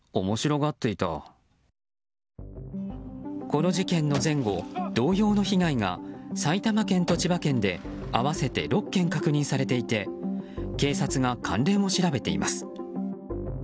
この事件の前後、同様の被害が埼玉県と千葉県で合わせて６件確認されていて警察が関連を調べています。